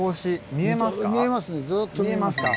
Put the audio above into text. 見えますねずっと見えますね。